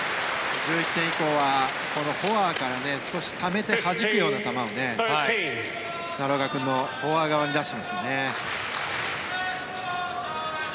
１１点以降はフォアからためてはじくような球を奈良岡君のフォア側に出すんですね。